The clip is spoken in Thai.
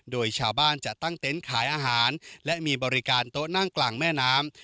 โดยชาวบ้านจะตั้งเต็นต์ขายอาหารและมีบริการโต๊ะนั่งกลางแม่น้ำ